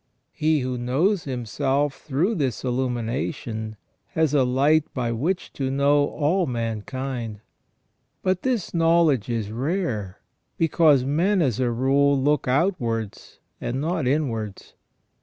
He who knows himself through this illumination has a light by which to know all man kind. But this knowledge is rare, because men as a rule look outwards, and not inwards.